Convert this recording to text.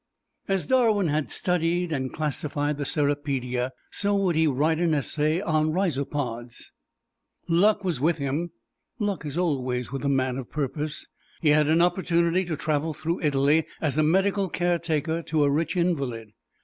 As Darwin had studied and classified the Cirripedia, so would he write an essay on Rhizopods. Luck was with him luck is always with the man of purpose. He had an opportunity to travel through Italy as medical caretaker to a rich invalid.